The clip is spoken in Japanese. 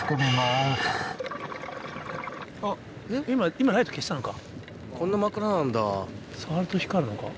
今ライト消したのか。